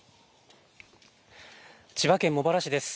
千葉県茂原市です。